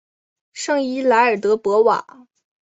圣伊莱尔德博瓦。